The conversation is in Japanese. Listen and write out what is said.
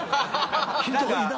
ひどいな。